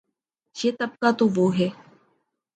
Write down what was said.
یہ طبقہ تو وہ ہے۔